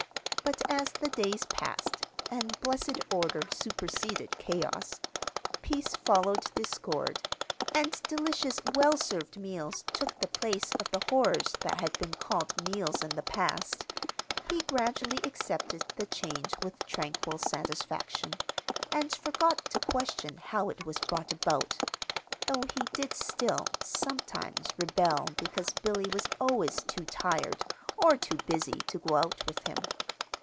But as the days passed, and blessed order superseded chaos, peace followed discord, and delicious, well served meals took the place of the horrors that had been called meals in the past, he gradually accepted the change with tranquil satisfaction, and forgot to question how it was brought about; though he did still, sometimes, rebel because Billy was always too tired, or too busy, to go out with him.